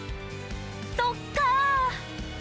そっかー。